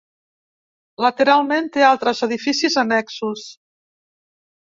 Lateralment té altres edificis annexos.